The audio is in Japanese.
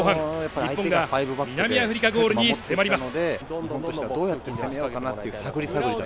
日本が南アフリカゴールに迫ります。